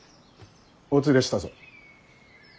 お連れしたぞ。